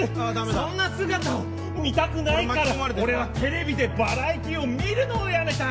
そんな姿を見たくないから俺はテレビでバラエティーを見るのをやめた。